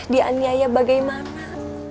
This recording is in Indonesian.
dia nyayah bagaimana